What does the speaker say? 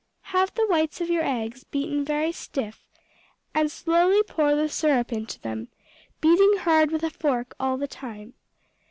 Have the whites of your eggs beaten very stiff, and slowly pour the syrup into them, beating hard with a fork all the time.